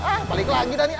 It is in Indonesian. ah balik lagi tadi